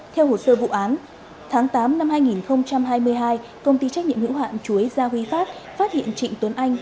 theo hồ sơ vụ án tháng tám năm hai nghìn hai mươi hai công ty trách nhiệm hữu hạn chuối gia huy phát phát hiện trịnh tuấn anh